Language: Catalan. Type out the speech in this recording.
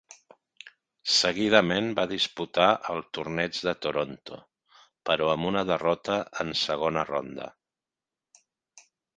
Seguidament va disputar el torneig de Toronto però amb una derrota en segona ronda.